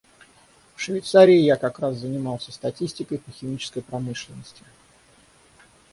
В Швейцарии я как раз занимался статистикой по химической промышленности.